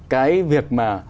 cái việc mà